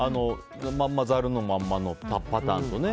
ざるのまんまのパターンとね。